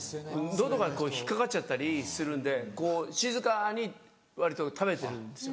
喉が引っ掛かっちゃったりするんで静かに割と食べてるんですよ。